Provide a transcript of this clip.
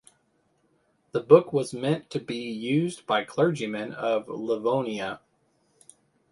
The book was meant to be used by clergymen of Livonia.